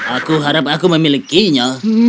aku harap aku memilikinya